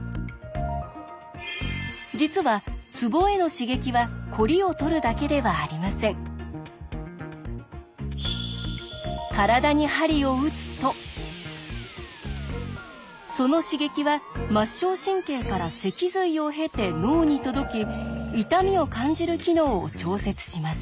実はツボへの刺激は体に鍼を打つとその刺激は末梢神経から脊髄を経て脳に届き痛みを感じる機能を調節します。